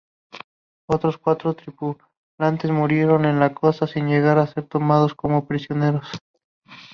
Otros cuatro tripulantes, murieron en la costa sin llegar a ser tomados como prisioneros.